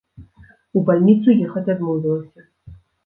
У бальніцу ехаць адмовілася.